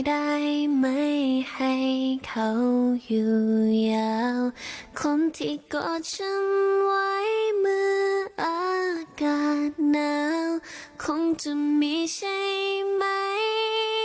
อากาศนาวคงจะมีใช่ไหม